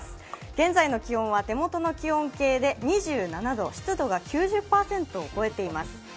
現在の気温は手元の気温計で２７度、湿度が９０％を超えています。